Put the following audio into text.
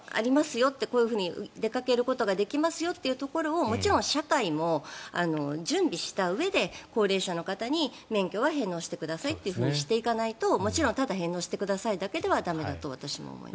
よってこういうふうに出かけることができますよというところをもちろん社会も準備したうえで高齢者の方に免許は返納してくださいってしていかないともちろんただ返納してくださいだけでは駄目だと私も思います。